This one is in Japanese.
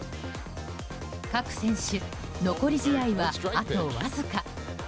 各選手、残り試合はあとわずか。